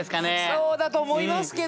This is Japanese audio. そうだと思いますけども。